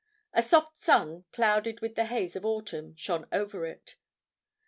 A soft sun, clouded with the haze of autumn, shone over it.